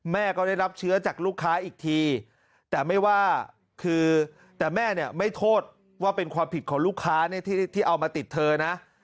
แม่ก็ได้รับเชื้อจากลูกค้าอีกทีแต่ไม่ว่าคือแต่แม่เนี่ยไม่โทษว่าเป็นความผิดของลูกค้าเนี่ยที่เอามาติดเธอนะ